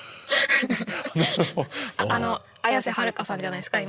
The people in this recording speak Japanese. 綾瀬はるかさんじゃないですか